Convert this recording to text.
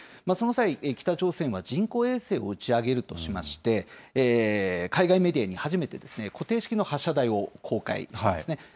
その際、北朝鮮は人工衛星を打ち上げるとしまして、海外メディアに初めて固定式の発射台を公開してますね。